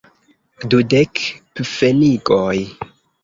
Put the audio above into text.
Dudek pfenigoj.